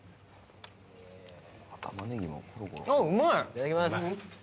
いただきます。